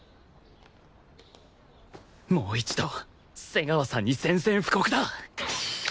もう一度瀬川さんに宣戦布告だ！